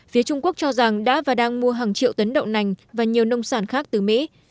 phía trung quốc cho rằng đã và đang mua hàng triệu tấn đậu nành và nhiều nông sản khác từ mỹ